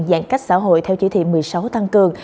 giãn cách xã hội theo chỉ thị một mươi sáu tăng cường